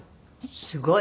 すごい。